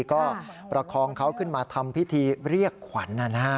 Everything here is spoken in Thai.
ก็ประคองเขาขึ้นมาทำพิธีเรียกขวัญ